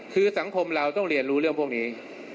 คือสังคมเราต้องเรียนรู้เรื่องพวกนี้